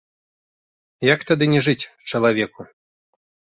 Як тады не жыць чалавеку.